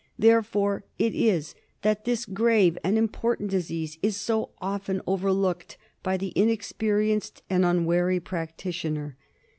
Therefore it is that this grave and important disease is so often overlooked by the inexperienced and unwary practitioner.